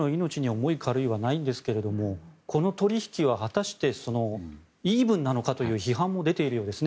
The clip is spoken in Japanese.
重い軽いはないんですがこの取引は果たしてイーブンなのかという批判も出ているようですね。